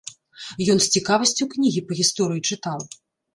Ён з цікавасцю кнігі па гісторыі чытаў.